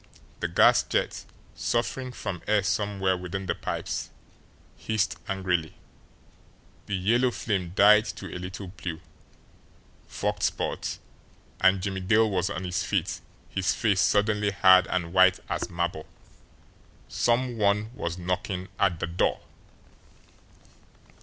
The gas jet, suffering from air somewhere within the pipes, hissed angrily, the yellow flame died to a little blue, forked spurt and Jimmie Dale was on his feet, his face suddenly hard and white as marble. SOME ONE WAS KNOCKING AT THE DOOR!